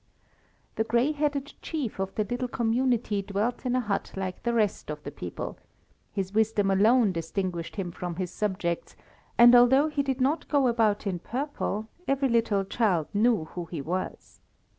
The grey headed chief of the little community dwelt in a hut like the rest of the people; his wisdom alone distinguished him from his subjects, and although he did not go about in purple, every little child knew who he was.